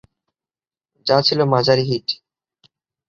যা ছিল মাঝারি হিট।